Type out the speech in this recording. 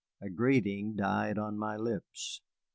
A greeting died on my lips.